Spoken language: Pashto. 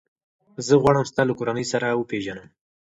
زه غواړم ستا له کورنۍ سره وپېژنم.